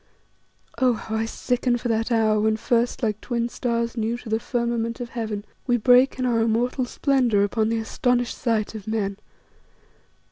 Oh! how I sicken for that hour when first, like twin stars new to the firmament of heaven, we break in our immortal splendour upon the astonished sight of men.